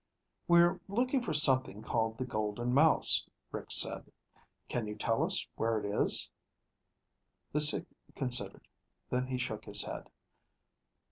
"We're looking for something called the Golden Mouse," Rick said. "Can you tell us where it is?" The Sikh considered. Then he shook his head.